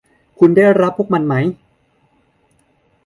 คุณได้รับพวกมันไหม